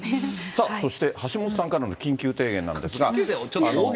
さあそして、橋下さんからの緊急提言なんですが。